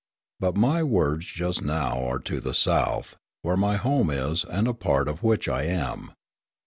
But my words just now are to the South, where my home is and a part of which I am.